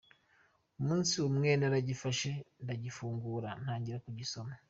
Umunsi umwe naragifashe ndagifungura ntangira kugisoma.